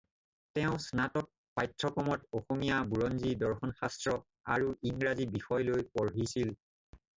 তেওঁ স্নাতক পাঠ্যক্ৰমত অসমীয়া, বুৰঞ্জী, দৰ্শন-শাস্ত্ৰ আৰু ইংৰাজী বিষয় লৈ পঢ়িছিল।